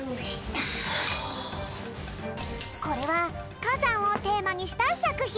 これはかざんをテーマにしたさくひん。